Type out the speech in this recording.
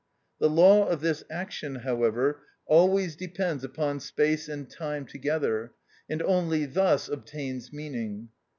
The law of this action, however, always depends upon space and time together, and only thus obtains meaning.